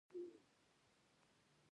په سیاسي کشمکشونو کې کار اخیستل شوی.